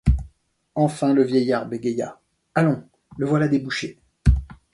Enfin le vieillard bégaya: — Allons! le voilà débouché.